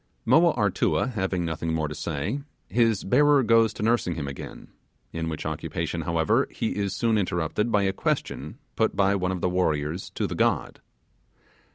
Moa Artua having nothing more to say, his bearer goes to nursing him again, in which occupation, however, he is soon interrupted by a question put by one of the warriors to the god.